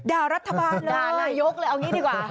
รัฐบาลเลยด่านายกเลยเอางี้ดีกว่า